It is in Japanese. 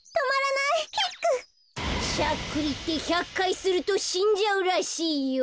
しゃっくりって１００かいするとしんじゃうらしいよ。